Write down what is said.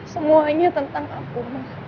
semuanya tentang aku